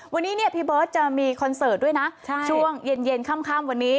วันนี้เนี่ยพี่เบิร์ตจะมีคอนเสิร์ตด้วยนะช่วงเย็นค่ำวันนี้